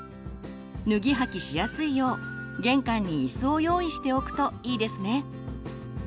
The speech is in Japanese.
脱ぎ履きしやすいよう玄関にいすを用意しておくといいですね。